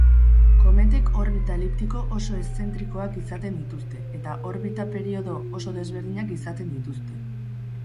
Kometek orbita eliptiko oso eszentrikoak izaten dituzte, eta orbita-periodo oso desberdinak izaten dituzte.